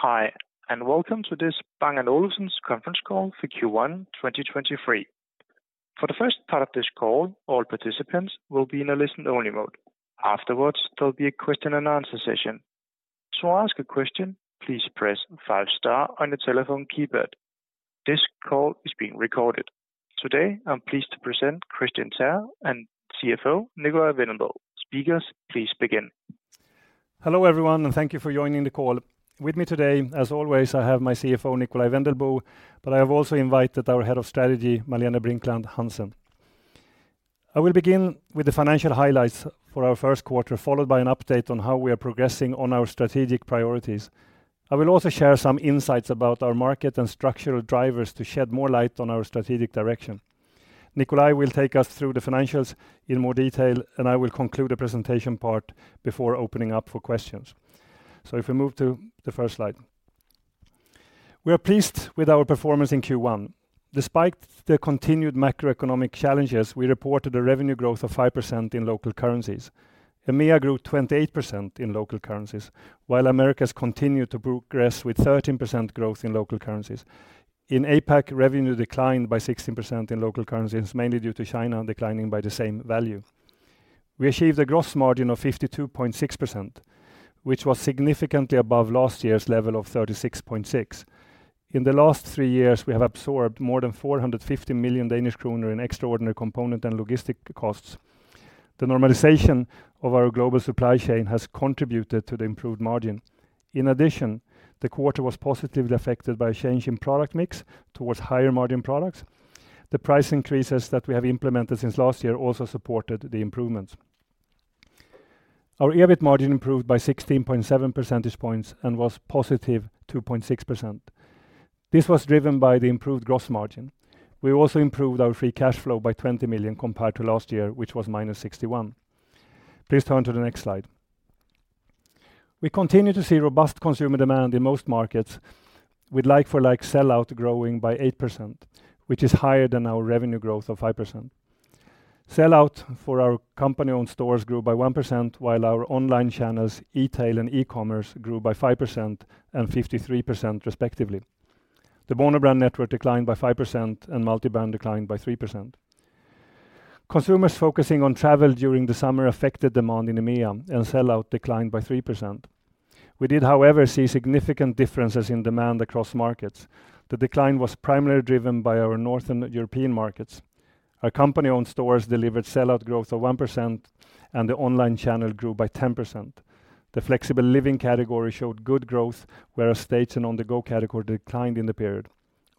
Hi, and welcome to this Bang & Olufsen conference call for Q1 2023. For the first part of this call, all participants will be in a listen-only mode. Afterwards, there'll be a question-and-answer session. To ask a question, please press five star on your telephone keypad. This call is being recorded. Today, I'm pleased to present Kristian Teär and CFO Nikolaj Wendelboe. Speakers, please begin. Hello, everyone, and thank you for joining the call. With me today, as always, I have my CFO, Nikolaj Wendelboe, but I have also invited our Head of Strategy, Malene Brinkland Hansen. I will begin with the financial highlights for our first quarter, followed by an update on how we are progressing on our strategic priorities. I will also share some insights about our market and structural drivers to shed more light on our strategic direction. Nikolaj will take us through the financials in more detail, and I will conclude the presentation part before opening up for questions. So if we move to the first slide. We are pleased with our performance in Q1. Despite the continued macroeconomic challenges, we reported a revenue growth of 5% in local currencies. EMEA grew 28% in local currencies, while Americas continued to progress with 13% growth in local currencies. In APAC, revenue declined by 16% in local currencies, mainly due to China declining by the same value. We achieved a gross margin of 52.6%, which was significantly above last year's level of 36.6%. In the last three years, we have absorbed more than 450 million Danish kroner in extraordinary component and logistic costs. The normalization of our global supply chain has contributed to the improved margin. In addition, the quarter was positively affected by a change in product mix towards higher margin products. The price increases that we have implemented since last year also supported the improvements. Our EBIT margin improved by 16.7 percentage points and was positive 2.6%. This was driven by the improved gross margin. We also improved our free cash flow by 20 million compared to last year, which was -61 million. Please turn to the next slide. We continue to see robust consumer demand in most markets, with like-for-like sell-out growing by 8%, which is higher than our revenue growth of 5%. Sell-out for our company-owned stores grew by 1%, while our online channels, eTail and e-commerce, grew by 5% and 53%, respectively. The monobrand network declined by 5% and multibrand declined by 3%. Consumers focusing on travel during the summer affected demand in EMEA, and sell-out declined by 3%. We did, however, see significant differences in demand across markets. The decline was primarily driven by our Northern European markets. Our company-owned stores delivered sell-out growth of 1%, and the online channel grew by 10%. The Flexible Living category showed good growth, whereas Staged and On-the-go category declined in the period.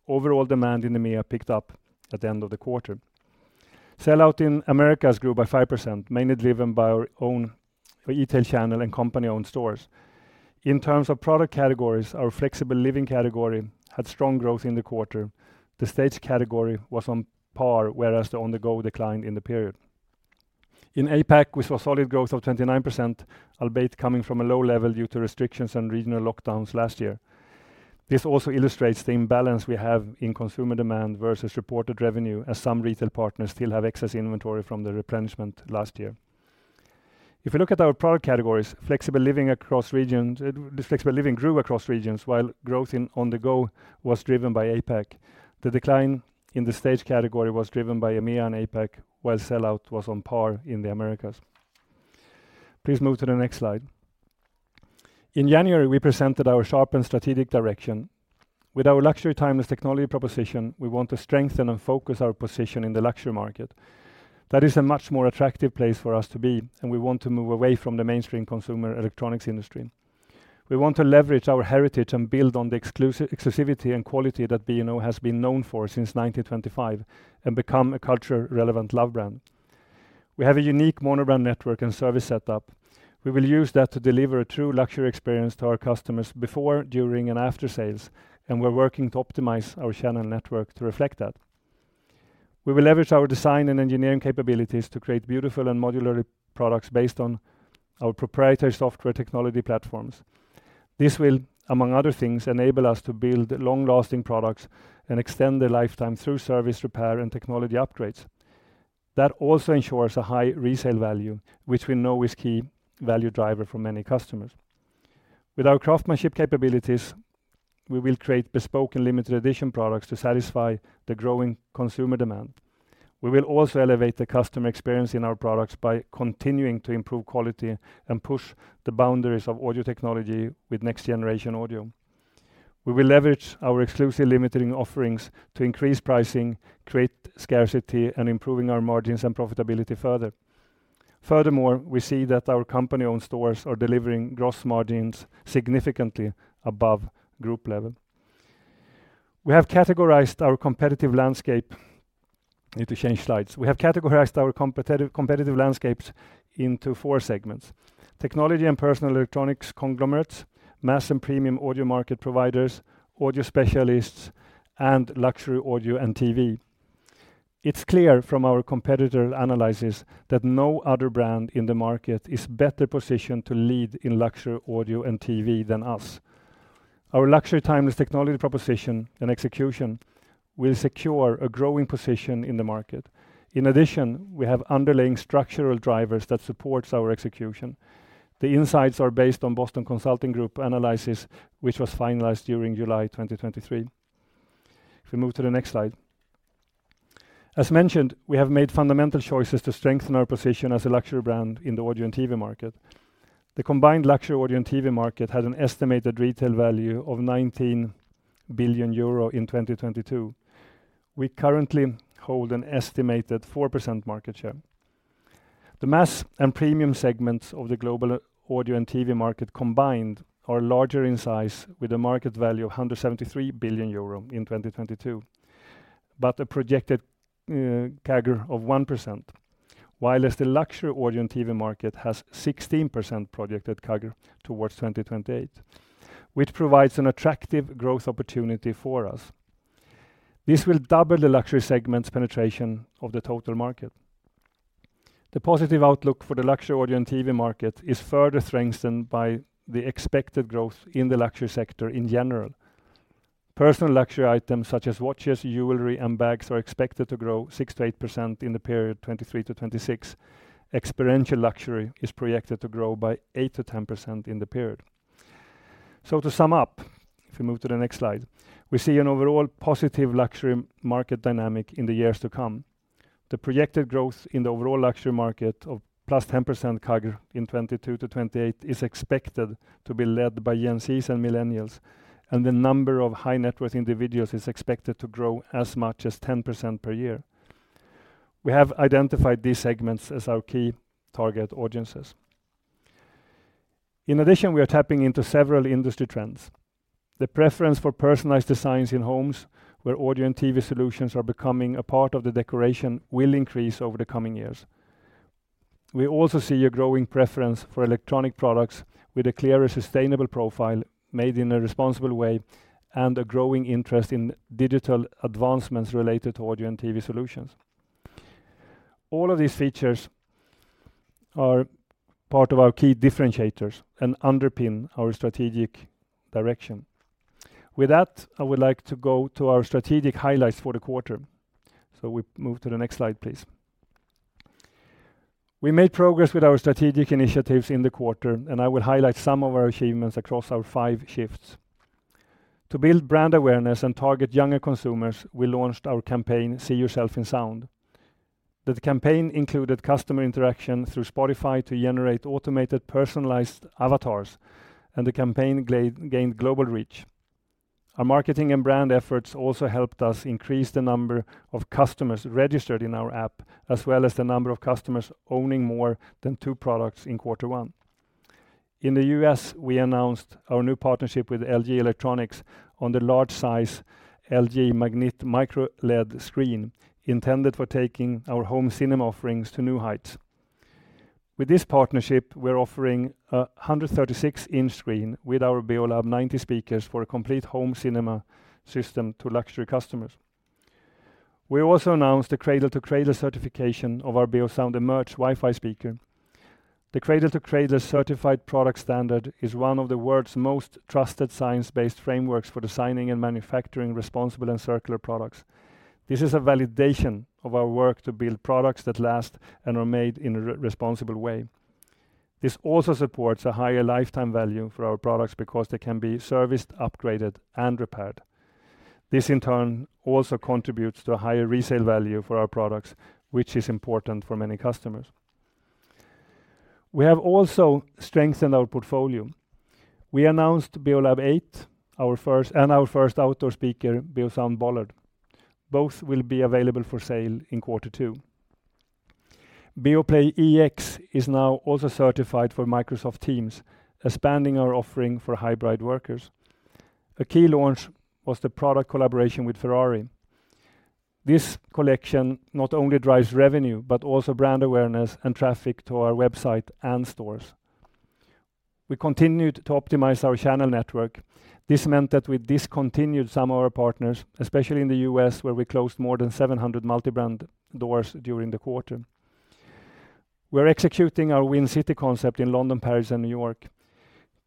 Overall, demand in EMEA picked up at the end of the quarter. Sell-out in Americas grew by 5%, mainly driven by our own eTail channel and company-owned stores. In terms of product categories, our Flexible Living category had strong growth in the quarter. The Staged category was on par, whereas the On-the-go declined in the period. In APAC, we saw solid growth of 29%, albeit coming from a low level due to restrictions and regional lockdowns last year. This also illustrates the imbalance we have in consumer demand versus reported revenue, as some retail partners still have excess inventory from the replenishment last year. If you look at our product categories, Flexible Living across regions - the Flexible Living grew across regions, while growth in On-the-go was driven by APAC. The decline in the Staged category was driven by EMEA and APAC, while sell-out was on par in the Americas. Please move to the next slide. In January, we presented our sharpened strategic direction. With our Luxury Timeless Technology proposition, we want to strengthen and focus our position in the luxury market. That is a much more attractive place for us to be, and we want to move away from the mainstream consumer electronics industry. We want to leverage our heritage and build on the exclusivity and quality that B&O has been known for since 1925 and become a culture-relevant love brand. We have a unique monobrand network and service setup. We will use that to deliver a true luxury experience to our customers before, during, and after sales, and we're working to optimize our channel network to reflect that. We will leverage our design and engineering capabilities to create beautiful and modular products based on our proprietary software technology platforms. This will, among other things, enable us to build long-lasting products and extend their lifetime through service, repair, and technology upgrades. That also ensures a high resale value, which we know is key value driver for many customers. With our craftsmanship capabilities, we will create bespoke and limited edition products to satisfy the growing consumer demand. We will also elevate the customer experience in our products by continuing to improve quality and push the boundaries of audio technology with next-generation audio. We will leverage our exclusive limited offerings to increase pricing, create scarcity, and improving our margins and profitability further. Furthermore, we see that our company-owned stores are delivering gross margins significantly above group level. We have categorized our competitive landscape... Need to change slides. We have categorized our competitive landscapes into four segments: technology and personal electronics conglomerates, mass and premium audio market providers, audio specialists, and luxury audio and TV. It's clear from our competitor analysis that no other brand in the market is better positioned to lead in luxury audio and TV than us. Our Luxury Timeless Technology proposition and execution... We'll secure a growing position in the market. In addition, we have underlying structural drivers that supports our execution. The insights are based on Boston Consulting Group analysis, which was finalized during July 2023. If we move to the next slide. As mentioned, we have made fundamental choices to strengthen our position as a luxury brand in the audio and TV market. The combined luxury audio and TV market had an estimated retail value of 19 billion euro in 2022. We currently hold an estimated 4% market share. The mass and premium segments of the global audio and TV market combined are larger in size, with a market value of 173 billion euro in 2022, but a projected CAGR of 1%. While the luxury audio and TV market has 16% projected CAGR towards 2028, which provides an attractive growth opportunity for us. This will double the luxury segment's penetration of the total market. The positive outlook for the luxury audio and TV market is further strengthened by the expected growth in the luxury sector in general. Personal luxury items, such as watches, jewelry, and bags, are expected to grow 6%-8% in the period 2023-2026. Experiential luxury is projected to grow by 8%-10% in the period. To sum up, if we move to the next slide, we see an overall positive luxury market dynamic in the years to come. The projected growth in the overall luxury market of +10% CAGR in 2022 to 2028 is expected to be led by Gen Zs and millennials, and the number of high-net-worth individuals is expected to grow as much as 10% per year. We have identified these segments as our key target audiences. In addition, we are tapping into several industry trends. The preference for personalized designs in homes, where audio and TV solutions are becoming a part of the decoration, will increase over the coming years. We also see a growing preference for electronic products with a clearer, sustainable profile, made in a responsible way, and a growing interest in digital advancements related to audio and TV solutions. All of these features are part of our key differentiators and underpin our strategic direction. With that, I would like to go to our strategic highlights for the quarter. So we move to the next slide, please. We made progress with our strategic initiatives in the quarter, and I will highlight some of our achievements across our five shifts. To build brand awareness and target younger consumers, we launched our campaign, See yourself in sound. The campaign included customer interaction through Spotify to generate automated, personalized avatars, and the campaign gained global reach. Our marketing and brand efforts also helped us increase the number of customers registered in our app, as well as the number of customers owning more than two products in quarter one. In the U.S., we announced our new partnership with LG Electronics on the large size LG MAGNIT Micro LED screen, intended for taking our home cinema offerings to new heights. With this partnership, we're offering a 136-inch screen with our Beolab 90 speakers for a complete home cinema system to luxury customers. We also announced a Cradle to Cradle certification of our Beosound Emerge Wi-Fi speaker. The Cradle to Cradle certified product standard is one of the world's most trusted, science-based frameworks for designing and manufacturing responsible and circular products. This is a validation of our work to build products that last and are made in a responsible way. This also supports a higher lifetime value for our products because they can be serviced, upgraded, and repaired. This, in turn, also contributes to a higher resale value for our products, which is important for many customers. We have also strengthened our portfolio. We announced Beolab 8, our first outdoor speaker, Beosound Bollard. Both will be available for sale in quarter two. Beoplay EX is now also certified for Microsoft Teams, expanding our offering for hybrid workers. A key launch was the product collaboration with Ferrari. This collection not only drives revenue, but also brand awareness and traffic to our website and stores. We continued to optimize our channel network. This meant that we discontinued some of our partners, especially in the U.S., where we closed more than 700 multibrand doors during the quarter. We're executing our Win City concept in London, Paris, and New York.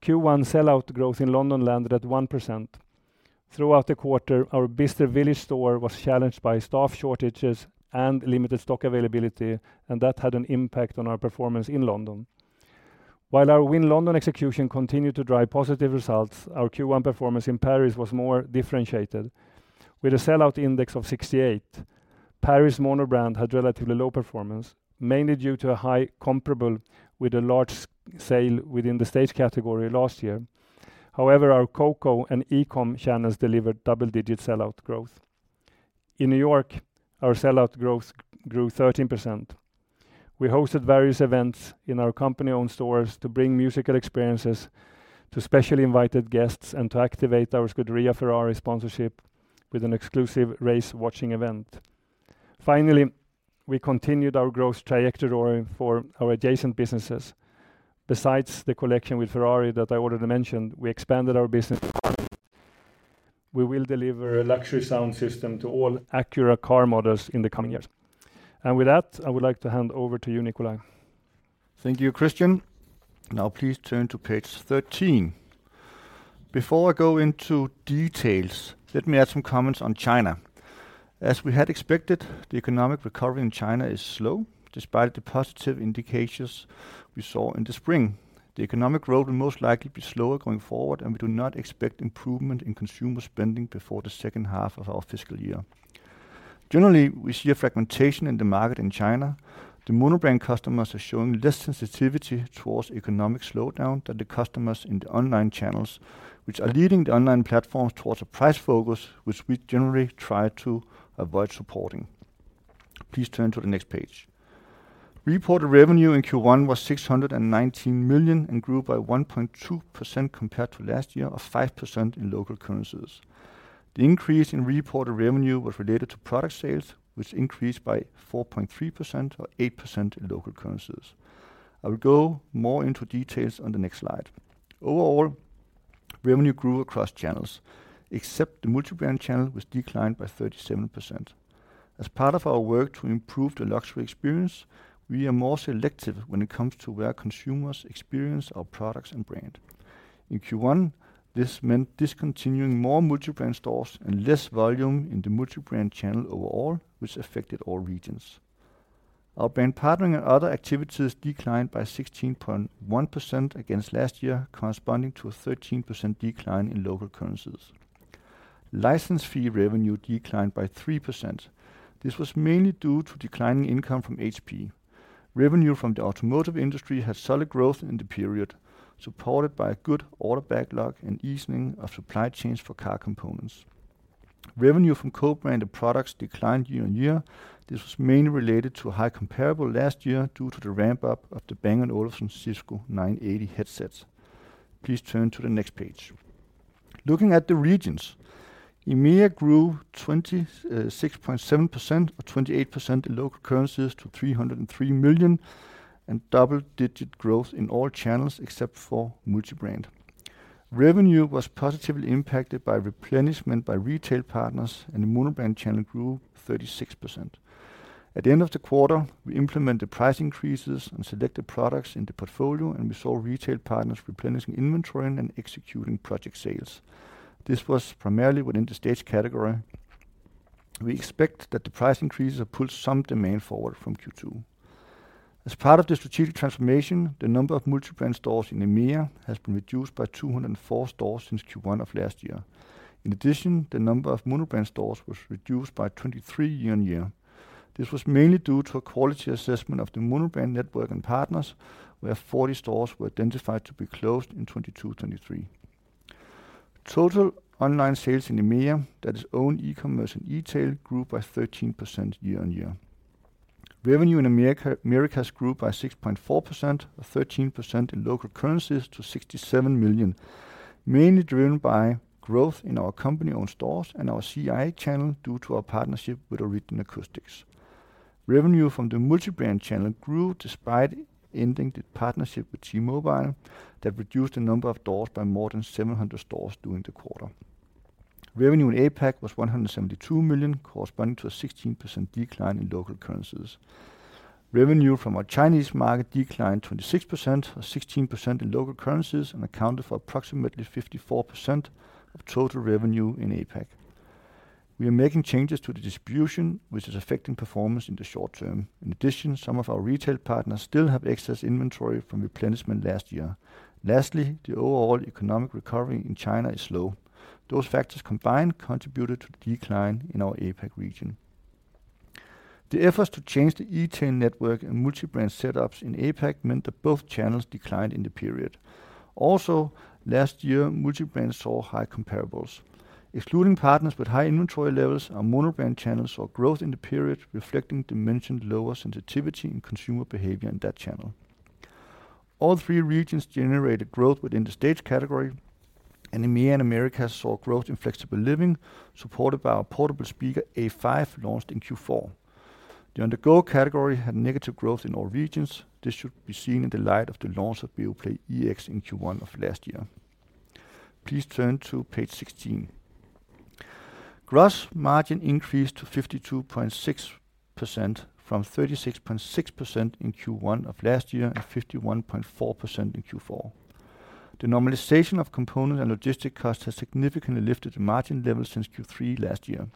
Q1 sell-out growth in London landed at 1%. Throughout the quarter, our Bicester Village store was challenged by staff shortages and limited stock availability, and that had an impact on our performance in London. While our Win London execution continued to drive positive results, our Q1 performance in Paris was more differentiated. With a sell-out index of 68, Paris monobrand had relatively low performance, mainly due to a high comparable with a large sale within the Staged category last year. However, our COCO and e-com channels delivered double-digit sell-out growth. In New York, our sell-out growth grew 13%. We hosted various events in our company-owned stores to bring musical experiences to specially invited guests and to activate our Scuderia Ferrari sponsorship with an exclusive race-watching event. Finally, we continued our growth trajectory for our adjacent businesses. Besides the collection with Ferrari that I already mentioned, we expanded our business. We will deliver a luxury sound system to all Acura car models in the coming years. With that, I would like to hand over to you, Nikolaj. Thank you, Kristian. Now please turn to page 13. Before I go into details, let me add some comments on China. As we had expected, the economic recovery in China is slow, despite the positive indications we saw in the spring. The economic growth will most likely be slower going forward, and we do not expect improvement in consumer spending before the second half of our fiscal year. Generally, we see a fragmentation in the market in China. The monobrand customers are showing less sensitivity towards economic slowdown than the customers in the online channels, which are leading the online platforms towards a price focus, which we generally try to avoid supporting. Please turn to the next page. Reported revenue in Q1 was 619 million and grew by 1.2% compared to last year, or 5% in local currencies. The increase in reported revenue was related to product sales, which increased by 4.3%, or 8% in local currencies. I will go more into details on the next slide. Overall, revenue grew across channels, except the multibrand channel, which declined by 37%. As part of our work to improve the luxury experience, we are more selective when it comes to where consumers experience our products and brand. In Q1, this meant discontinuing more multibrand stores and less volume in the multibrand channel overall, which affected all regions. Our brand partnering and other activities declined by 16.1% against last year, corresponding to a 13% decline in local currencies. License fee revenue declined by 3%. This was mainly due to declining income from HP. Revenue from the automotive industry had solid growth in the period, supported by a good order backlog and easing of supply chains for car components. Revenue from co-branded products declined year-on-year. This was mainly related to a high comparable last year due to the ramp-up of the Bang & Olufsen Cisco 980 headsets. Please turn to the next page. Looking at the regions, EMEA grew 26.7%, or 28% in local currencies to 303 million, and double-digit growth in all channels except for multibrand. Revenue was positively impacted by replenishment by retail partners, and the monobrand channel grew 36%. At the end of the quarter, we implemented price increases on selected products in the portfolio, and we saw retail partners replenishing inventory and executing project sales. This was primarily within the Staged category. We expect that the price increases have pulled some demand forward from Q2. As part of the strategic transformation, the number of multibrand stores in EMEA has been reduced by 204 stores since Q1 of last year. In addition, the number of monobrand stores was reduced by 23 year-on-year. This was mainly due to a quality assessment of the monobrand network and partners, where 40 stores were identified to be closed in 2022, 2023. Total online sales in EMEA, that is own e-commerce and eTail, grew by 13% year-on-year. Revenue in Americas grew by 6.4%, or 13% in local currencies to 67 million, mainly driven by growth in our company-owned stores and our CI channel due to our partnership with Origin Acoustics. Revenue from the multibrand channel grew despite ending the partnership with T-Mobile. That reduced the number of stores by more than 700 stores during the quarter. Revenue in APAC was 172 million, corresponding to a 16% decline in local currencies. Revenue from our Chinese market declined 26%, or 16% in local currencies, and accounted for approximately 54% of total revenue in APAC. We are making changes to the distribution, which is affecting performance in the short term. In addition, some of our retail partners still have excess inventory from replenishment last year. Lastly, the overall economic recovery in China is slow. Those factors combined contributed to the decline in our APAC region. The efforts to change the eTail network and multibrand setups in APAC meant that both channels declined in the period. Also, last year, multibrand saw high comparables. Excluding partners with high inventory levels, our monobrand channels saw growth in the period, reflecting the mentioned lower sensitivity in consumer behavior in that channel. All three regions generated growth within the stage category, and EMEA and Americas saw growth in Flexible Living, supported by our portable speaker, A5, launched in Q4. On-the-go category had negative growth in all regions. This should be seen in the light of the launch of Beoplay EX in Q1 of last year. Please turn to page 16. Gross margin increased to 52.6% from 36.6% in Q1 of last year, and 51.4% in Q4. The normalization of component and logistic costs has significantly lifted the margin level since Q3 last year.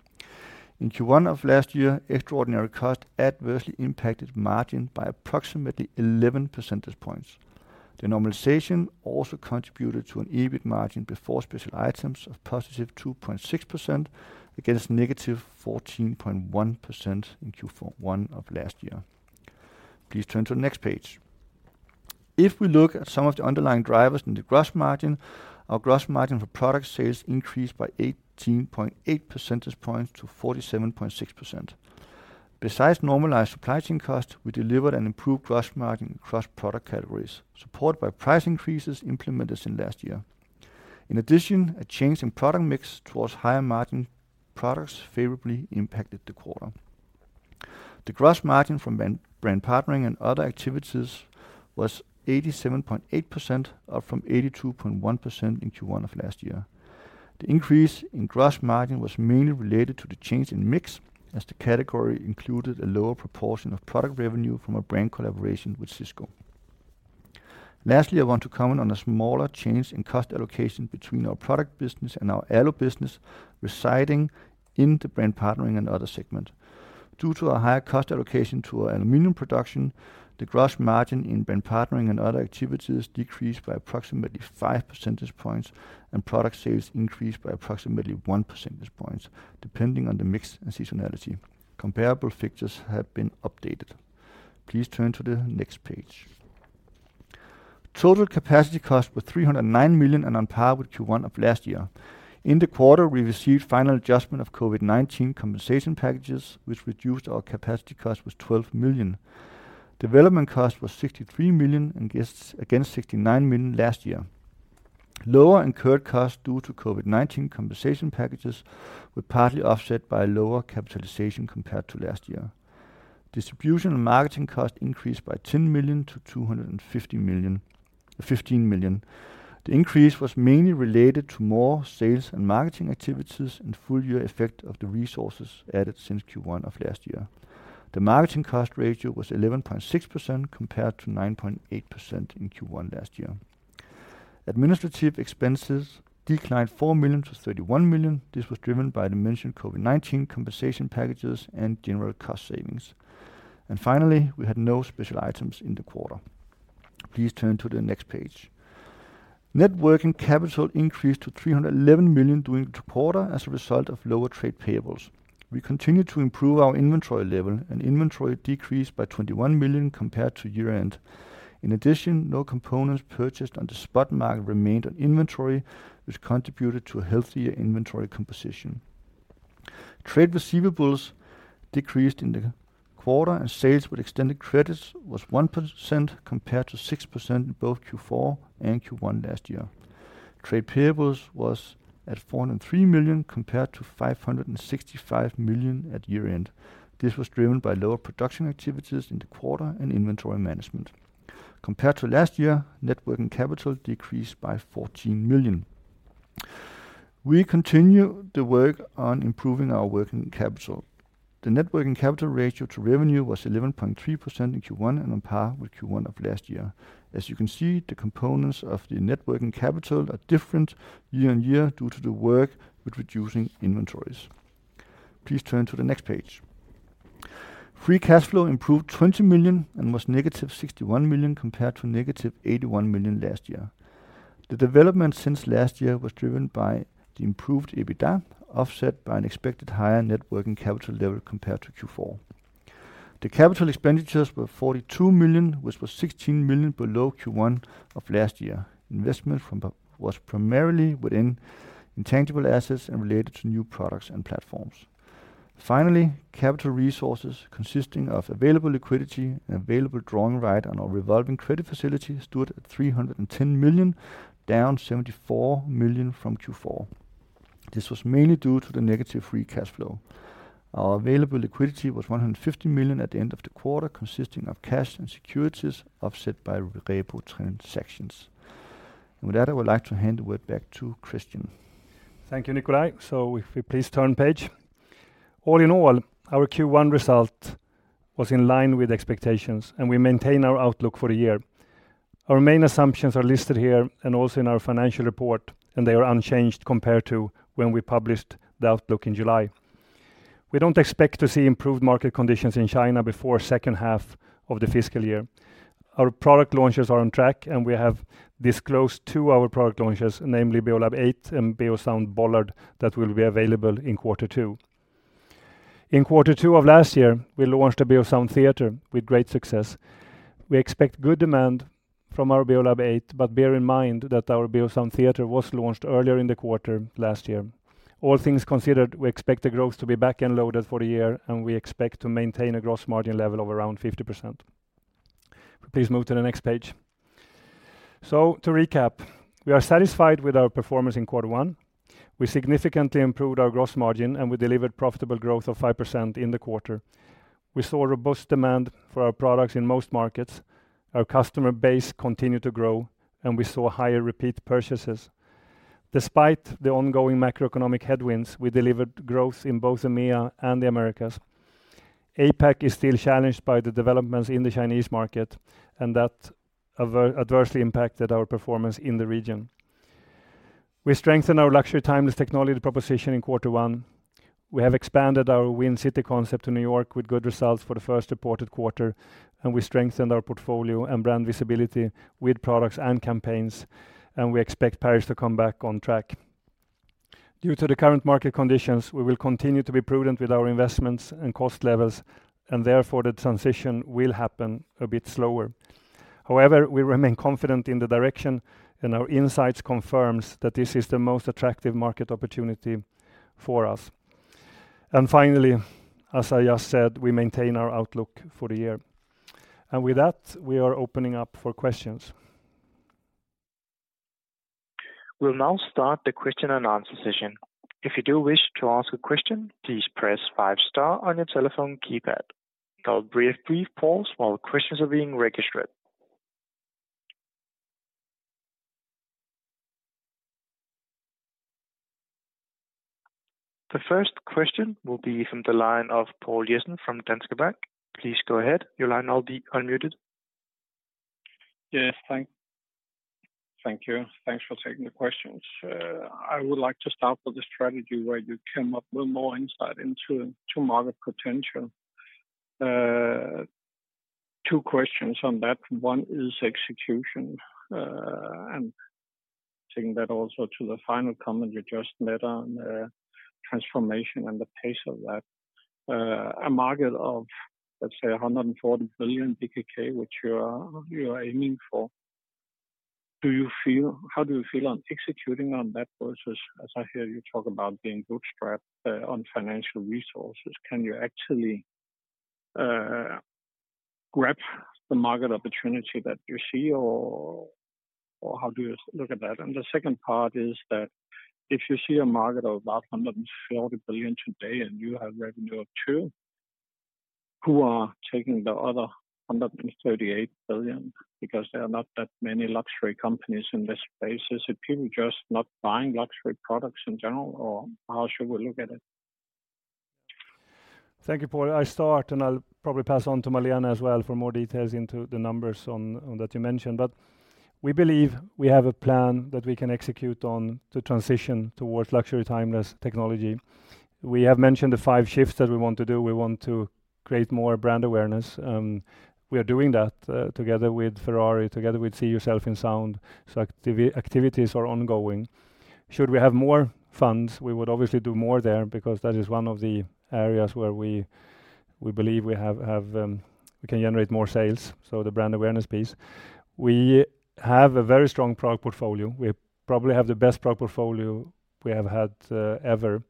In Q1 of last year, extraordinary costs adversely impacted margin by approximately 11 percentage points. The normalization also contributed to an EBIT margin before special items of positive 2.6%, against negative 14.1% in Q1 of last year. Please turn to the next page. If we look at some of the underlying drivers in the gross margin, our gross margin for product sales increased by 18.8 percentage points to 47.6%. Besides normalized supply chain costs, we delivered an improved gross margin across product categories, supported by price increases implemented in last year. In addition, a change in product mix towards higher-margin products favorably impacted the quarter. The gross margin from brand, brand partnering and other activities was 87.8%, up from 82.1% in Q1 of last year. The increase in gross margin was mainly related to the change in mix, as the category included a lower proportion of product revenue from a brand collaboration with Cisco. Lastly, I want to comment on a smaller change in cost allocation between our product business and our Alu business, residing in the brand partnering and other segment. Due to a higher cost allocation to our aluminum production, the gross margin in brand partnering and other activities decreased by approximately 5 percentage points, and product sales increased by approximately 1 percentage points, depending on the mix and seasonality. Comparable figures have been updated. Please turn to the next page. Total capacity cost was 309 million, and on par with Q1 of last year. In the quarter, we received final adjustment of COVID-19 compensation packages, which reduced our capacity cost with 12 million. Development cost was 63 million, against 69 million last year. Lower incurred costs due to COVID-19 compensation packages were partly offset by a lower capitalization compared to last year. Distribution and marketing costs increased by 10 million to 250 million, 15 million. The increase was mainly related to more sales and marketing activities and full-year effect of the resources added since Q1 of last year. The marketing cost ratio was 11.6%, compared to 9.8% in Q1 last year. Administrative expenses declined 4 million to 31 million. This was driven by the mentioned COVID-19 compensation packages and general cost savings. Finally, we had no special items in the quarter. Please turn to the next page. Net working capital increased to 311 million during the quarter as a result of lower trade payables. We continued to improve our inventory level, and inventory decreased by 21 million compared to year-end. In addition, no components purchased on the spot market remained on inventory, which contributed to a healthier inventory composition. Trade receivables decreased in the quarter, and sales with extended credits was 1%, compared to 6% in both Q4 and Q1 last year. Trade payables was at 403 million, compared to 565 million at year-end. This was driven by lower production activities in the quarter and inventory management. Compared to last year, net working capital decreased by 14 million. We continue the work on improving our working capital. The net working capital ratio to revenue was 11.3% in Q1 and on par with Q1 of last year. As you can see, the components of the net working capital are different year-on-year due to the work with reducing inventories. Please turn to the next page. Free Cash Flow improved 20 million and was -61 million, compared to -81 million last year. The development since last year was driven by the improved EBITDA, offset by an expected higher net working capital level compared to Q4. The capital expenditures were 42 million, which was 16 million below Q1 of last year. Investments were primarily within intangible assets and related to new products and platforms. Finally, capital resources, consisting of available liquidity and available drawing right on our revolving credit facility, stood at 310 million, down 74 million from Q4. This was mainly due to the negative Free Cash Flow. Our available liquidity was 150 million at the end of the quarter, consisting of cash and securities, offset by repo transactions. With that, I would like to hand the word back to Kristian. Thank you, Nikolaj. So if we please turn page. All in all, our Q1 result was in line with expectations, and we maintain our outlook for the year. Our main assumptions are listed here and also in our financial report, and they are unchanged compared to when we published the outlook in July. We don't expect to see improved market conditions in China before second half of the fiscal year. Our product launches are on track, and we have disclosed two our product launches, namely Beolab 8 and Beosound Bollard, that will be available in quarter two. In quarter two of last year, we launched the Beosound Theatre with great success. We expect good demand from our Beolab 8, but bear in mind that our Beosound Theatre was launched earlier in the quarter last year. All things considered, we expect the growth to be back end loaded for the year, and we expect to maintain a gross margin level of around 50%. Please move to the next page. So to recap, we are satisfied with our performance in quarter one. We significantly improved our gross margin, and we delivered profitable growth of 5% in the quarter. We saw a robust demand for our products in most markets. Our customer base continued to grow, and we saw higher repeat purchases. Despite the ongoing macroeconomic headwinds, we delivered growth in both EMEA and the Americas. APAC is still challenged by the developments in the Chinese market, and that adversely impacted our performance in the region. We strengthened our Luxury Timeless Technology proposition in quarter one. We have expanded our Win City concept to New York with good results for the first reported quarter, and we strengthened our portfolio and brand visibility with products and campaigns, and we expect Paris to come back on track. Due to the current market conditions, we will continue to be prudent with our investments and cost levels, and therefore, the transition will happen a bit slower. However, we remain confident in the direction, and our insights confirms that this is the most attractive market opportunity for us. Finally, as I just said, we maintain our outlook for the year. With that, we are opening up for questions. We'll now start the question-and-answer session. If you do wish to ask a question, please press five star on your telephone keypad. I'll be brief. Brief pause while the questions are being registered. The first question will be from the line of Poul Jessen from Danske Bank. Please go ahead. Your line will now be unmuted. Yes, thank you. Thanks for taking the questions. I would like to start with the strategy, where you came up with more insight into, to market potential. Two questions on that. One is execution, and taking that also to the final comment you just made on transformation and the pace of that. A market of, let's say, 140 billion, which you are, you are aiming for. Do you feel how do you feel on executing on that versus, as I hear you talk about being bootstrapped, on financial resources? Can you actually, you know, grab the market opportunity that you see, or how do you look at that? The second part is that if you see a market of about 140 billion today, and you have revenue of 2 billion, who are taking the other 138 billion? Because there are not that many luxury companies in this space. Is it people just not buying luxury products in general, or how should we look at it? Thank you, Poul. I start, and I'll probably pass on to Malene as well for more details into the numbers on that you mentioned. But we believe we have a plan that we can execute on to transition towards luxury, timeless technology. We have mentioned the five shifts that we want to do. We want to create more brand awareness, we are doing that, together with Ferrari, together with See yourself in sound. So activities are ongoing. Should we have more funds, we would obviously do more there, because that is one of the areas where we believe we can generate more sales, so the brand awareness piece. We have a very strong product portfolio. We probably have the best product portfolio we have had ever,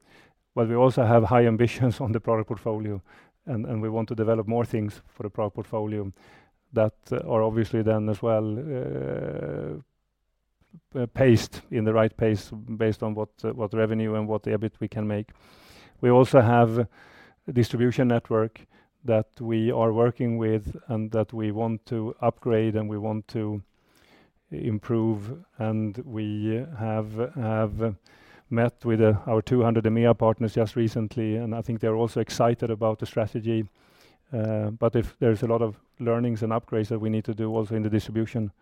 but we also have high ambitions on the product portfolio, and we want to develop more things for the product portfolio that are obviously then as well paced in the right pace based on what revenue and what EBIT we can make. We also have a distribution network that we are working with and that we want to upgrade, and we want to improve, and we have met with our 200 EMEA partners just recently, and I think they're also excited about the strategy. But if there's a lot of learnings and upgrades that we need to do also in the distribution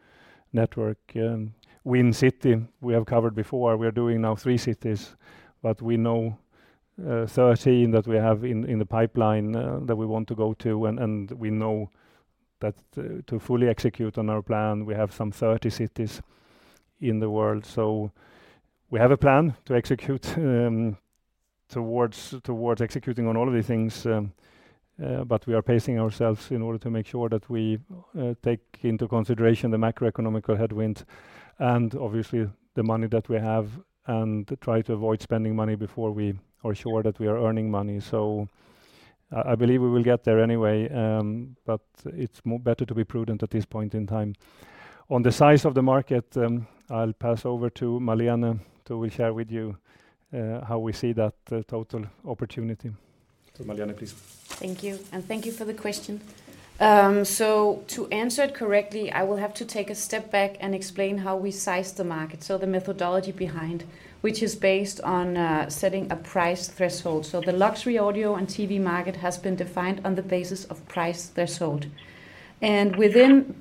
network. Win City, we have covered before. We are doing now three cities, but we know 13 cities that we have in the pipeline that we want to go to. And we know that to fully execute on our plan, we have some 30 cities in the world. So we have a plan to execute towards executing on all of these things. But we are pacing ourselves in order to make sure that we take into consideration the macroeconomic headwinds and obviously the money that we have, and try to avoid spending money before we are sure that we are earning money. So I believe we will get there anyway, but it's more better to be prudent at this point in time. On the size of the market, I'll pass over to Malene, who will share with you how we see that total opportunity. Malene, please. Thank you, and thank you for the question. So to answer it correctly, I will have to take a step back and explain how we size the market. So the methodology behind, which is based on setting a price threshold. So the luxury audio and TV market has been defined on the basis of price threshold. And within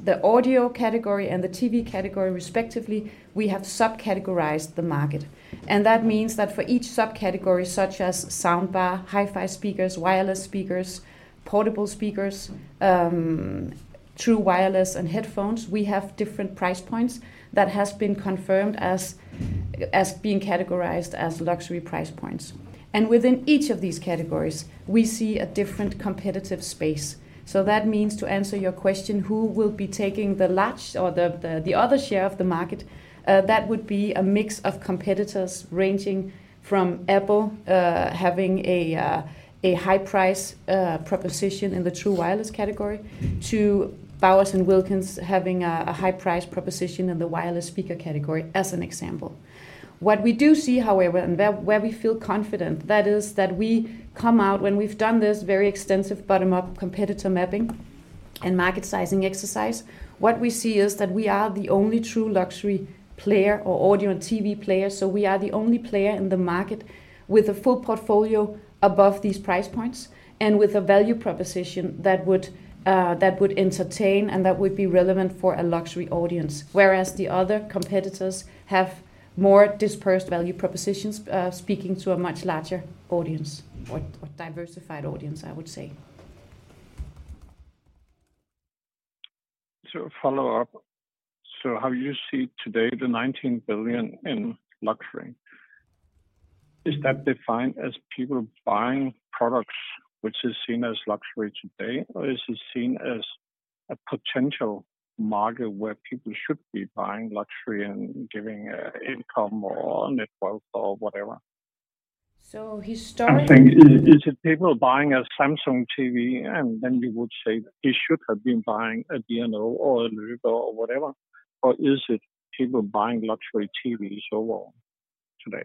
the audio category and the TV category, respectively, we have sub-categorized the market. And that means that for each subcategory, such as soundbar, hi-fi speakers, wireless speakers, portable speakers, true wireless and headphones, we have different price points that has been confirmed as, as being categorized as luxury price points. And within each of these categories, we see a different competitive space. So that means, to answer your question, who will be taking the large or the other share of the market? That would be a mix of competitors, ranging from Apple, having a, a high price, proposition in the true wireless category, to Bowers & Wilkins having a, a high price proposition in the wireless speaker category, as an example. What we do see, however, and where we feel confident, that is that we come out when we've done this very extensive bottom-up competitor mapping and market sizing exercise. What we see is that we are the only true luxury player or audio and TV player, so we are the only player in the market with a full portfolio above these price points and with a value proposition that would, that would entertain and that would be relevant for a luxury audience. Whereas the other competitors have more dispersed value propositions, speaking to a much larger audience or diversified audience, I would say. Follow-up. How you see today the 19 billion in luxury, is that defined as people buying products which is seen as luxury today, or is it seen as a potential market where people should be buying luxury and given, you know, income or net worth or whatever? So historically- I think, is it people buying a Samsung TV, and then we would say, "They should have been buying a B&O or a Loewe or whatever?" Or is it people buying luxury TVs overall today?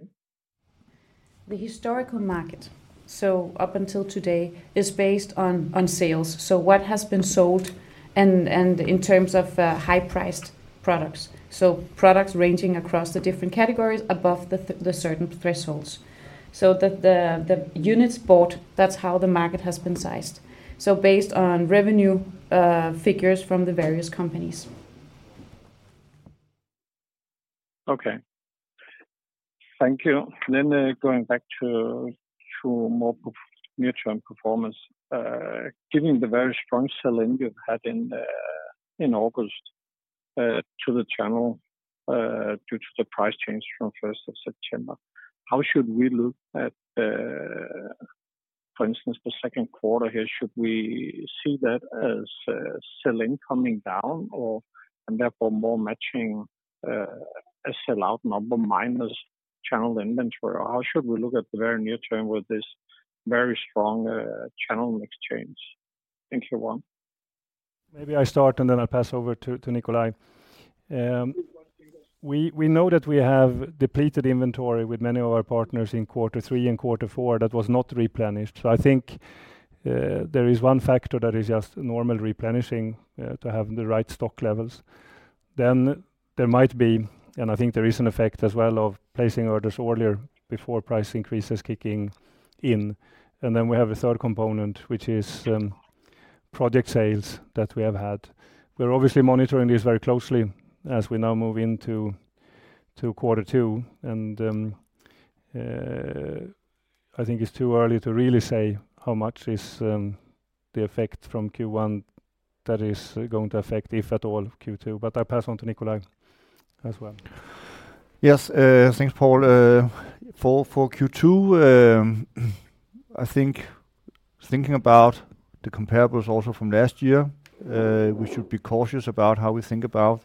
The historical market, so up until today, is based on sales. So what has been sold and in terms of high-priced products. So products ranging across the different categories above the certain thresholds. So the units bought, that's how the market has been sized. So based on revenue figures from the various companies. Okay. Thank you. Then, going back to more near-term performance. Given the very strong sell-in you've had in August to the channel due to the price change from first of September, how should we look at, for instance, the second quarter here? Should we see that as sell-in coming down or, and therefore more matching a sell-out number minus channel inventory? How should we look at the very near term with this very strong channel mix change? Maybe I start, and then I'll pass over to Nikolaj. We know that we have depleted inventory with many of our partners in quarter three and quarter four that was not replenished. So I think there is one factor that is just normal replenishing to have the right stock levels. Then there might be, and I think there is an effect as well of placing orders earlier before price increases kicking in. And then we have a third component, which is project sales that we have had. We're obviously monitoring this very closely as we now move into quarter two, and I think it's too early to really say how much is the effect from Q1 that is going to affect, if at all, Q2. But I'll pass on to Nikolaj as well. Yes, thanks, Poul. For Q2, I think thinking about the comparables also from last year, we should be cautious about how we think about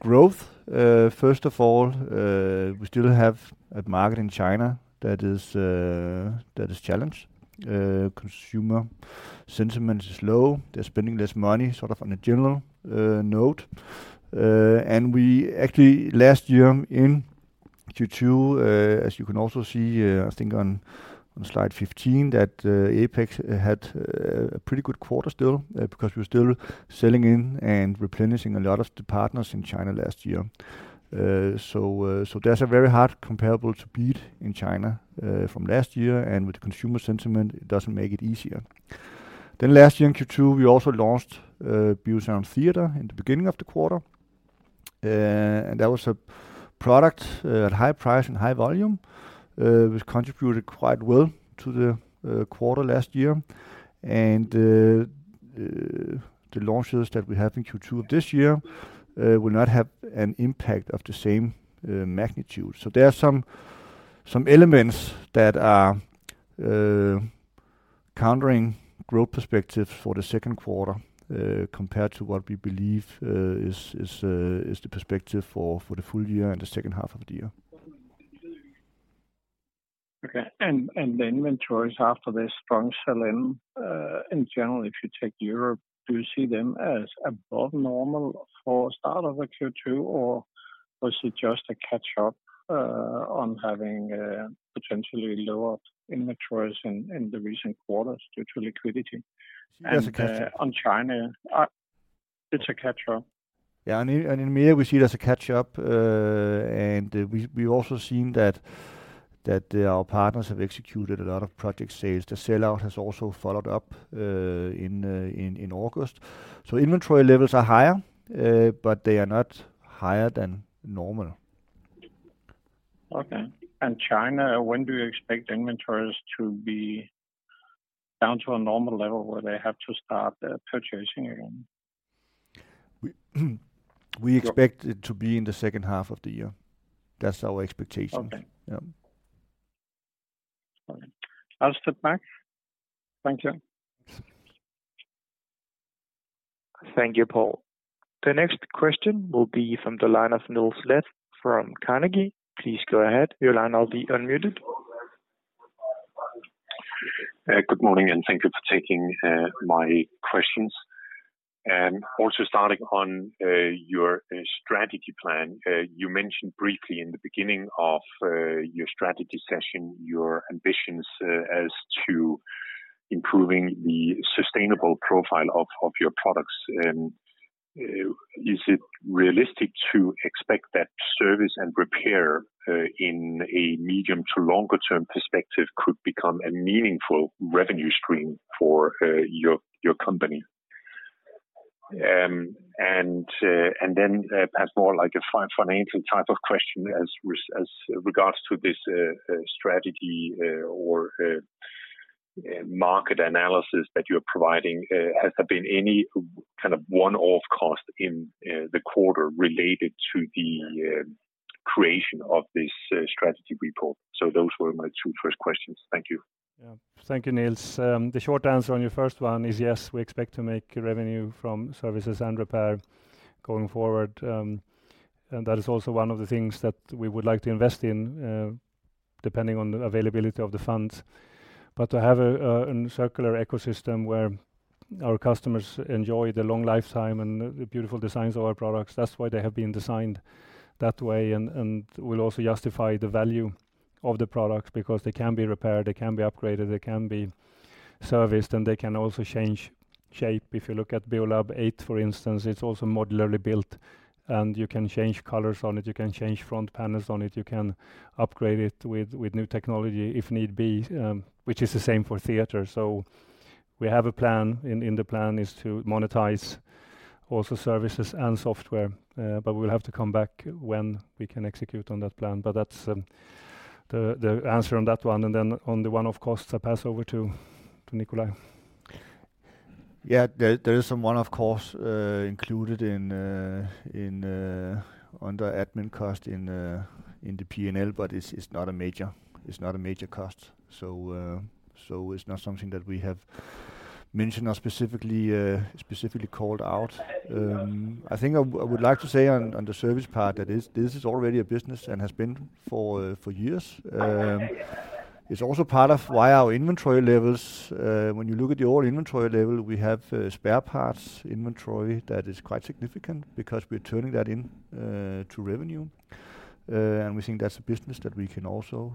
growth. First of all, we still have a market in China that is challenged. Consumer sentiment is low. They're spending less money, sort of on a general note. And we actually, last year in Q2, as you can also see, I think on slide 15, that APAC had a pretty good quarter still, because we're still selling in and replenishing a lot of the partners in China last year. So that's a very hard comparable to beat in China from last year, and with consumer sentiment, it doesn't make it easier. Then last year, in Q2, we also launched Beosound Theatre in the beginning of the quarter. And that was a product at high price and high volume, which contributed quite well to the quarter last year. And the launches that we have in Q2 of this year will not have an impact of the same magnitude. So there are some elements that are countering growth perspective for the second quarter, compared to what we believe is the perspective for the full year and the second half of the year. Okay. And the inventories after this strong sell-in, in general, if you take Europe, do you see them as above normal for start of the Q2, or was it just a catch-up on having potentially lower inventories in the recent quarters due to liquidity? Yes, exactly. On China, it's a catch-up? Yeah, and in here, we see it as a catch-up. And we also seen that our partners have executed a lot of project sales. The sell-out has also followed up in August. So inventory levels are higher, but they are not higher than normal. Okay. And China, when do you expect inventories to be down to a normal level where they have to start purchasing again? We expect it to be in the second half of the year. That's our expectation. Okay. Yeah. All right. I'll step back. Thank you. Thank you, Poul. The next question will be from the line of Niels Leth from Carnegie. Please go ahead. Your line will now be unmuted. Good morning, and thank you for taking my questions. Also starting on your strategy plan. You mentioned briefly in the beginning of your strategy session, your ambitions as to improving the sustainable profile of your products. Is it realistic to expect that service and repair in a medium to longer term perspective could become a meaningful revenue stream for your company? And then, as more like a financial type of question, as regards to this strategy or market analysis that you're providing, has there been any kind of one-off cost in the quarter related to the creation of this strategy report? So those were my two first questions. Thank you. Thank you, Niels. The short answer on your first one is yes, we expect to make revenue from services and repair going forward. And that is also one of the things that we would like to invest in, depending on the availability of the funds. But to have a circular ecosystem where our customers enjoy the long lifetime and the beautiful designs of our products, that's why they have been designed that way. And will also justify the value of the products, because they can be repaired, they can be upgraded, they can be serviced, and they can also change shape. If you look at Beolab 8, for instance, it's also modularly built, and you can change colors on it, you can change front panels on it, you can upgrade it with, with new technology if need be, which is the same for theater. So we have a plan, in, in the plan is to monetize also services and software. But we'll have to come back when we can execute on that plan. But that's, the, the answer on that one. And then on the one of costs, I pass over to, to Nikolaj. Yeah. There is some, of course, included in, in, under admin cost in, in the PNL, but it's not a major cost. So, it's not something that we have mentioned or specifically called out. I think I would like to say on the service part, that this is already a business and has been for years. It's also part of why our inventory levels, when you look at the overall inventory level, we have spare parts inventory that is quite significant because we're turning that into revenue. And we think that's a business that we can also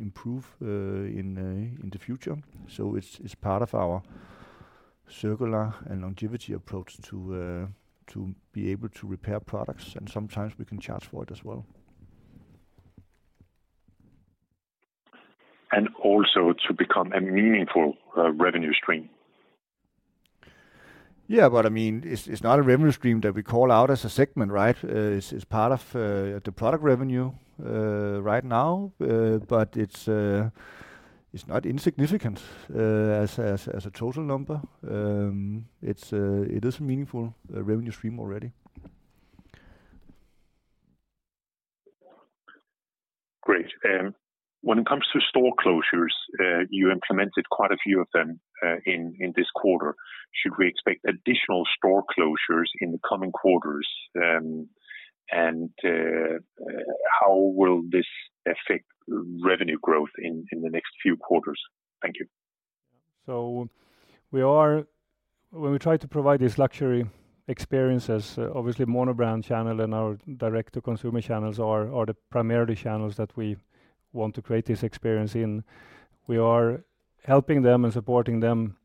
improve in the future. So it's part of our circular and longevity approach to be able to repair products, and sometimes we can charge for it as well. And also to become a meaningful revenue stream. Yeah, but I mean, it's not a revenue stream that we call out as a segment, right? It's part of the product revenue right now. But it's not insignificant as a total number. It is a meaningful revenue stream already. Great. When it comes to store closures, you implemented quite a few of them in this quarter. Should we expect additional store closures in the coming quarters? And how will this affect revenue growth in the next few quarters? Thank you. We try to provide these luxury experiences. Obviously, monobrand channel and our direct to consumer channels are the primary channels that we want to create this experience in. We are helping them and supporting them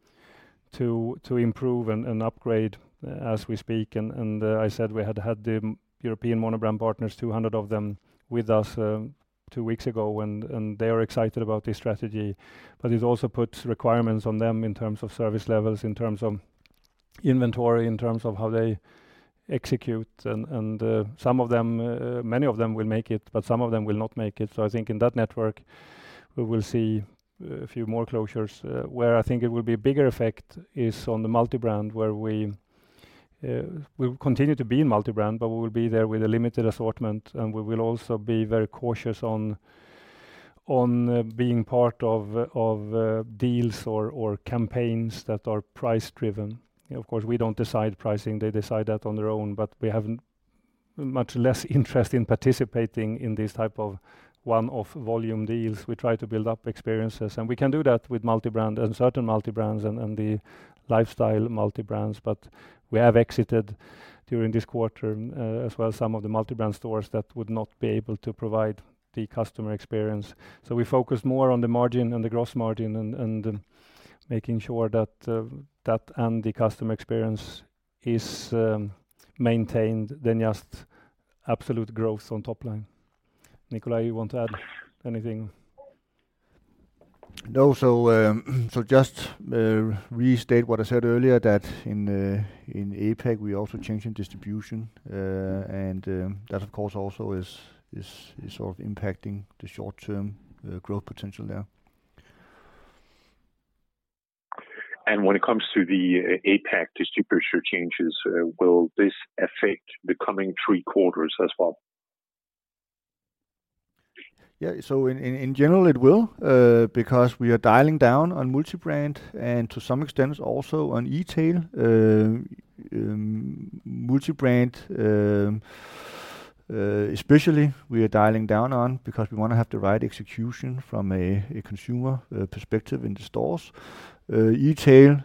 to improve and upgrade as we speak. I said we had the European monobrand partners, 200 of them, with us two weeks ago, and they are excited about this strategy. It also puts requirements on them in terms of service levels, in terms of inventory, in terms of how they execute. Many of them will make it, but some of them will not make it. I think in that network, we will see a few more closures. Where I think it will be a bigger effect is on the multibrand, where we will continue to be in multibrand, but we will be there with a limited assortment, and we will also be very cautious on being part of deals or campaigns that are price-driven. Of course, we do not decide pricing. They decide that on their own, but we have much less interest in participating in this type of one-off volume deals. We try to build up experiences, and we can do that with multibrand and certain multibrands and the lifestyle multibrands. We have exited during this quarter as well some of the multibrand stores that would not be able to provide the customer experience. So we focus more on the margin and the gross margin and making sure that the customer experience is maintained than just absolute growth on top line. Nikolaj, you want to add anything? No. So, just restate what I said earlier, that in APAC, we're also changing distribution, and that of course also is sort of impacting the short-term growth potential there. When it comes to the APAC distribution changes, will this affect the coming three quarters as well? Yeah. In general, it will, because we are dialing down on multibrand and to some extent also on eTail. Multibrand, especially, we are dialing down on because we want to have the right execution from a consumer perspective in the stores, eTail,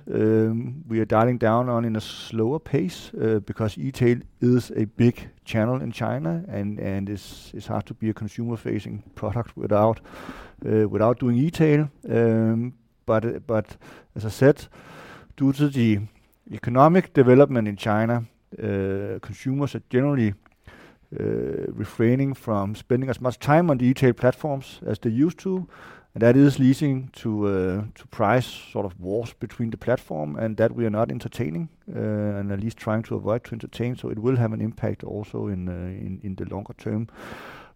we are dialing down on at a slower pace, because eTail is a big channel in China and it's hard to be a consumer-facing product without doing eTail. As I said, due to the economic development in China, consumers are generally refraining from spending as much time on the eTail platforms as they used to. That is leading to price sort of wars between the platforms and that we are not entertaining, and at least trying to avoid to entertain. So it will have an impact also in the longer term.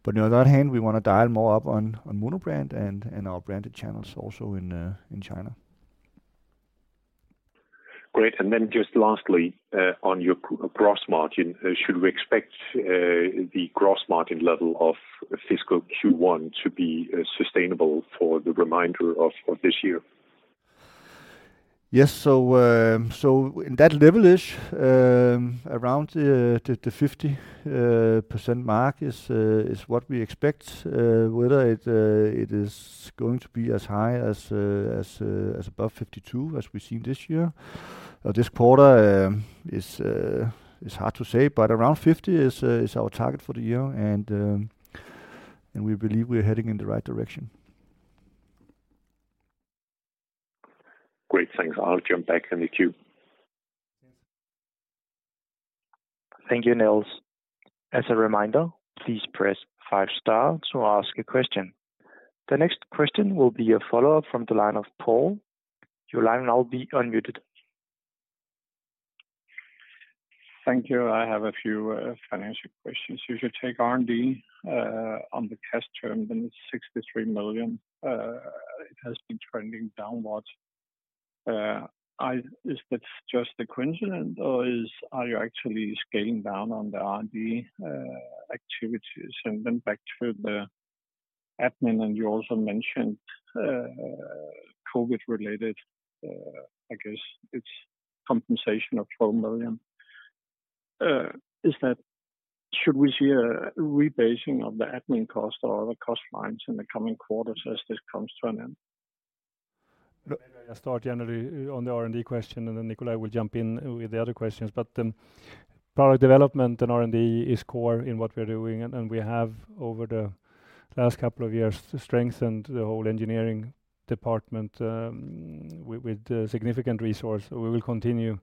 But on the other hand, we wanna dial more up on monobrand and our branded channels also in China. Great! And then just lastly, on your gross margin, should we expect the gross margin level of fiscal Q1 to be sustainable for the remainder of this year? Yes. So in that level-ish, around the 50% mark is what we expect. Whether it is going to be as high as above 52%, as we've seen this year or this quarter, is hard to say, but around 50% is our target for the year, and we believe we're heading in the right direction. Great. Thanks. I'll jump back in the queue. Thank you, Niels. As a reminder, please press five star to ask a question. The next question will be a follow-up from the line of Poul. Your line will now be unmuted. Thank you. I have a few financial questions. You saw the R&D on the last term then 63 million; it has been trending downwards. Is that just a coincidence or are you actually scaling down on the R&D activities? And then back to the admin, and you also mentioned COVID-related, I guess it's compensation of 12 million. Is that should we see a rebasing of the admin cost or the cost lines in the coming quarters as this comes to an end? I start generally on the R&D question, and then Nikolaj will jump in with the other questions. But then product development and R&D is core in what we're doing, and we have, over the last couple of years, strengthened the whole engineering department with significant resource. We will continue to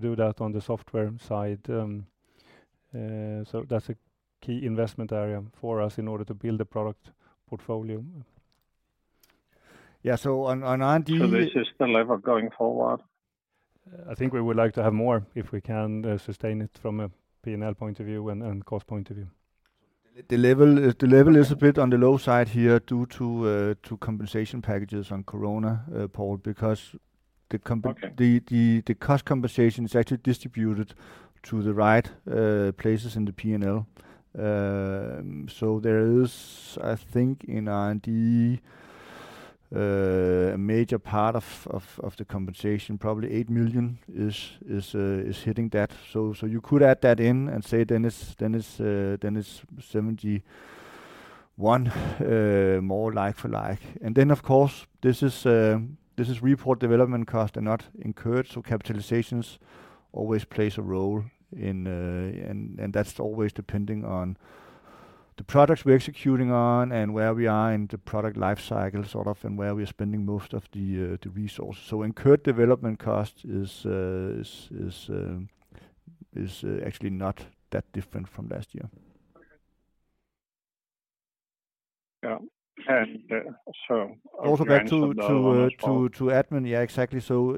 do that on the software side. So that's a key investment area for us in order to build a product portfolio. Yeah, so on R&D- So this is the level going forward? I think we would like to have more, if we can, sustain it from a P&L point of view and cost point of view. The level is a bit on the low side here, due to compensation packages on Corona, Poul, because the comp- Okay The cost compensation is actually distributed to the right places in the P&L. So there is, I think, in R&D, a major part of the compensation, probably 8 million is hitting that. So you could add that in and say then it's 71 million, more like for like. And then, of course, this is report development cost and not incurred, so capitalizations always plays a role in, and that's always depending on the products we're executing on and where we are in the product life cycle, sort of, and where we are spending most of the resources. So incurred development cost is actually not that different from last year. Okay. Yeah, and so- Also back to admin. Yeah, exactly. So,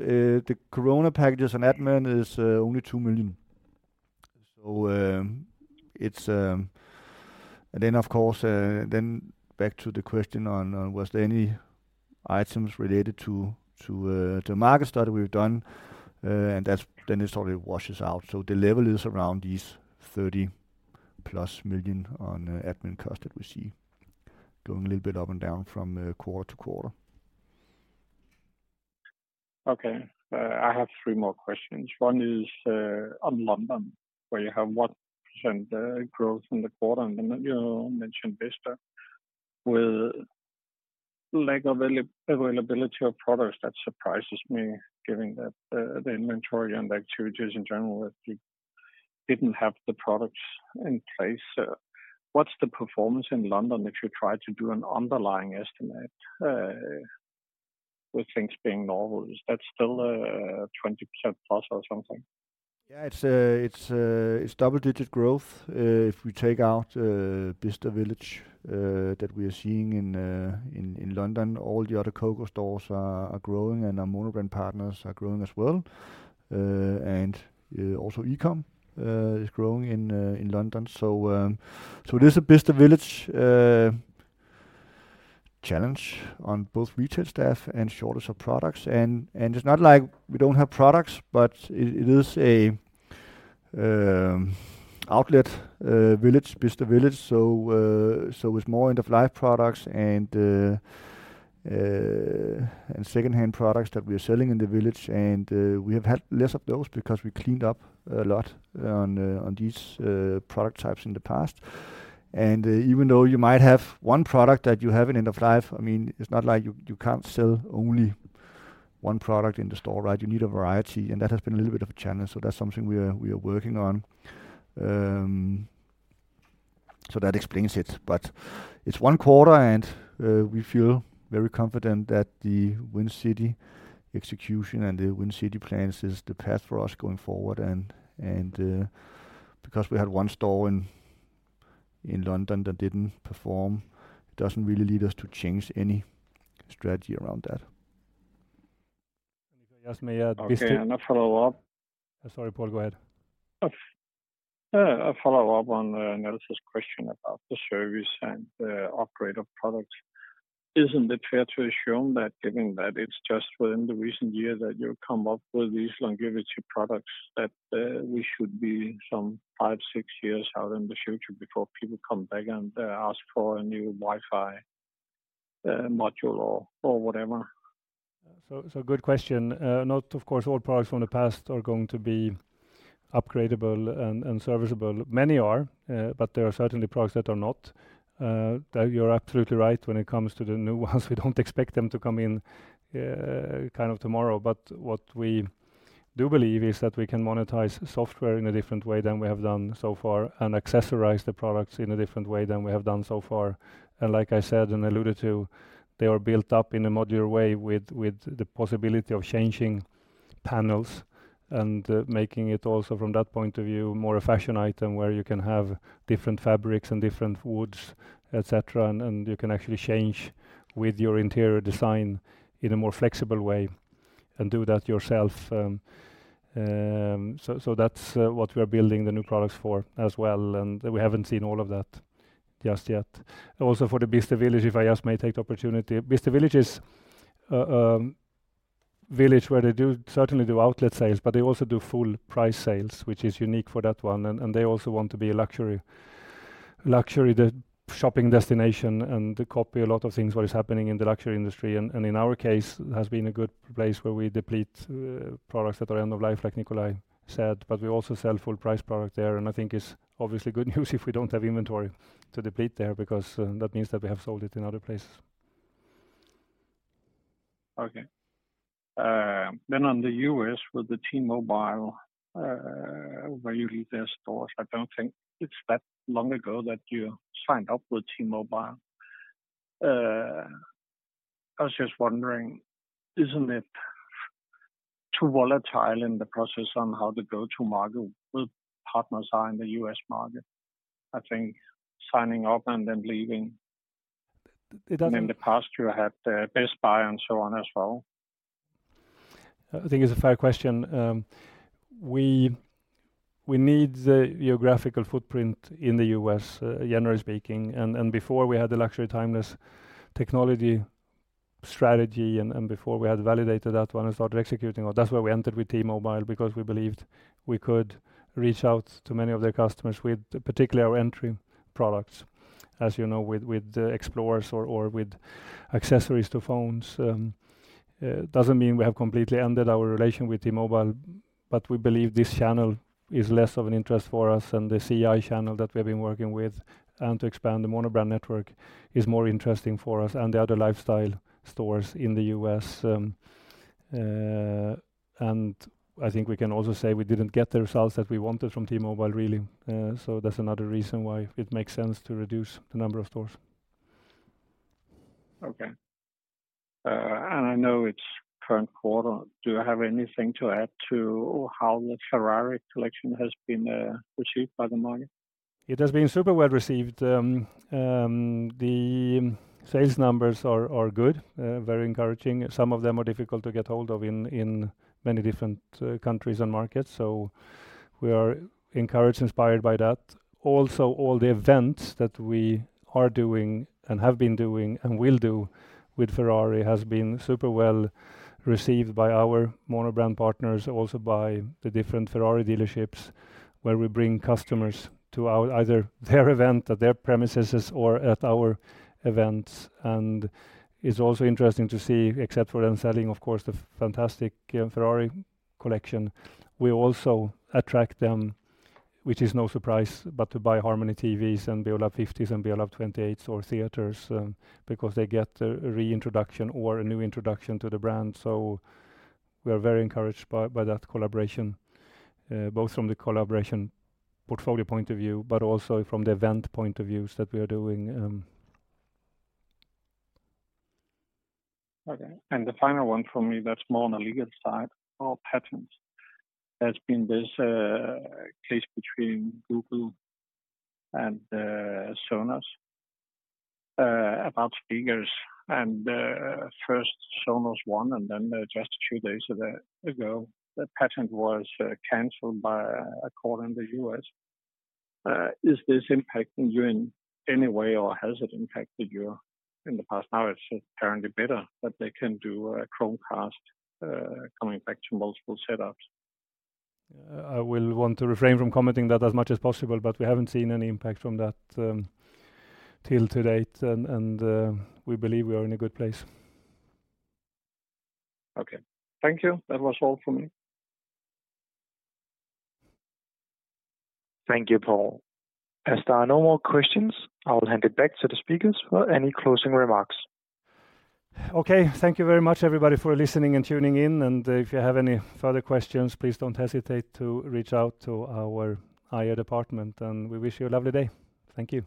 the Corona packages and admin is only 2 million. So, it's and then, of course, then back to the question on was there any items related to market study we've done, and that's then it sort of washes out. So the level is around these 30+ million on admin cost that we see going a little bit up and down from quarter to quarter. Okay. I have three more questions. One is on London, where you have 1% growth in the quarter, and then you mentioned Bicester. With lack of availability of products, that surprises me, given that the inventory and the activities in general, if you didn't have the products in place. What's the performance in London if you try to do an underlying estimate with things being normal? Is that still 20%+ or something? Yeah, it's double-digit growth. If we take out Bicester Village that we are seeing in London, all the other COCO stores are growing and our monobrand partners are growing as well. And also e-com is growing in London. So, it is a Bicester Village challenge on both retail staff and shortage of products. And it's not like we don't have products, but it is a outlet village, Bicester Village, so it's more end-of-life products and secondhand products that we are selling in the village. And we have had less of those because we cleaned up a lot on these product types in the past. Even though you might have one product that you have in end of life, I mean, it's not like you, you can't sell only one product in the store, right? You need a variety, and that has been a little bit of a challenge, so that's something we are, we are working on. So that explains it, but it's one quarter and we feel very confident that the Win City execution and the Win City plans is the path for us going forward. Because we had one store in London that didn't perform, it doesn't really lead us to change any strategy around that. And if I just may add this- Okay, and a follow-up. Sorry, Poul, go ahead. A follow-up on Niels question about the service and the upgrade of products. Isn't it fair to assume that given that it's just within the recent years that you've come up with these longevity products, that we should be some five, six years out in the future before people come back and ask for a new Wi-Fi module or whatever? Good question. Not, of course, all products from the past are going to be upgradable and serviceable. Many are, but there are certainly products that are not. You're absolutely right when it comes to the new ones. We don't expect them to come in, kind of tomorrow. What we do believe is that we can monetize software in a different way than we have done so far, and accessorize the products in a different way than we have done so far. Like I said, and alluded to, they were built up in a modular way with the possibility of changing panels and making it also, from that point of view, more a fashion item, where you can have different fabrics and different woods, et cetera. You can actually change with your interior design in a more flexible way and do that yourself. So that's what we are building the new products for as well, and we haven't seen all of that just yet. Also, for the Bicester Village, if I just may take the opportunity. Bicester Village is a village where they certainly do outlet sales, but they also do full price sales, which is unique for that one. They also want to be a luxury shopping destination, and to copy a lot of things that are happening in the luxury industry. In our case, it has been a good place where we deplete products that are end of life, like Nikolaj said. But we also sell full price product there, and I think it's obviously good news if we don't have inventory to deplete there, because that means that we have sold it in other places. Okay. Then on the U.S. with the T-Mobile, where you leave their stores, I don't think it's that long ago that you signed up with T-Mobile. I was just wondering, isn't it too volatile in the process on how to go to market with partners are in the U.S. market? I think signing up and then leaving- It doesn't- In the past you had, Best Buy and so on as well. I think it's a fair question. We need the geographical footprint in the U.S., generally speaking, and before we had the Luxury Timeless Technology strategy, and before we had validated that one and started executing, that's why we entered with T-Mobile, because we believed we could reach out to many of their customers with particularly our entry products. As you know, with the Explores or with accessories to phones. It doesn't mean we have completely ended our relation with T-Mobile, but we believe this channel is less of an interest for us than the CI channel that we've been working with. To expand the monobrand network is more interesting for us and the other lifestyle stores in the U.S. I think we can also say we didn't get the results that we wanted from T-Mobile, really. That's another reason why it makes sense to reduce the number of stores. Okay. And I know it's current quarter, do I have anything to add to how the Ferrari collection has been received by the market? It has been super well received. The sales numbers are good, very encouraging. Some of them are difficult to get hold of in many different countries and markets, so we are encouraged, inspired by that. Also, all the events that we are doing and have been doing, and will do with Ferrari, has been super well received by our monobrand partners, also by the different Ferrari dealerships, where we bring customers to our either their event at their premises or at our events. It's also interesting to see, except for them selling, of course, the fantastic Ferrari collection, we also attract them, which is no surprise, but to buy Harmony TVs and Beolab 50s and Beolab 28s or Theatres, because they get a reintroduction or a new introduction to the brand. So we are very encouraged by that collaboration, both from the collaboration portfolio point of view, but also from the event point of views that we are doing. Okay, and the final one from me, that's more on the legal side of patents. There's been this case between Google and Sonos about speakers. And first Sonos won, and then just a few days ago, the patent was cancelled by a court in the U.S. Is this impacting you in any way, or has it impacted you in the past? Now, it's apparently better, but they can do a Chromecast coming back to multiple setups. I will want to refrain from commenting that as much as possible, but we haven't seen any impact from that to date, and we believe we are in a good place. Okay. Thank you. That was all for me. Thank you, Poul. As there are no more questions, I will hand it back to the speakers for any closing remarks. Okay. Thank you very much, everybody, for listening and tuning in, and, if you have any further questions, please don't hesitate to reach out to our IR department, and we wish you a lovely day. Thank you.